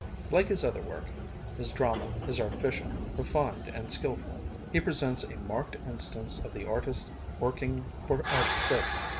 Like his other work, his drama is artificial, refined, and skillful. He presents a marked instance of the artist working for art's sake.